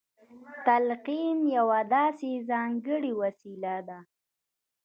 تلقين يوه داسې ځانګړې وسيله ده.